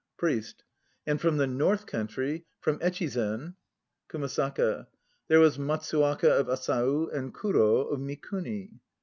PRIEST. And from the North country, from Echizen KUMASAKA. There was Matsuwaka of Asau and Kuro of Mikuni.